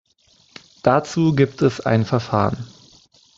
Dazu gibt es ein Verfahren.